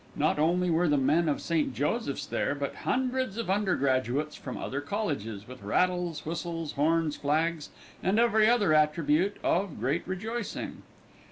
Not only were the men of St. Joseph's there, but hundreds of undergraduates from other colleges, with rattles, whistles, horns, flags, and every other attribute of great rejoicing.